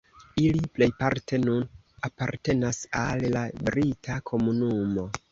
Ili plejparte nun apartenas al la Brita Komunumo.